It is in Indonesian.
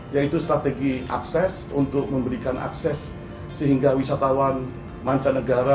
yaitu strategi akses untuk memberikan akses sehingga wisatawan mancanegara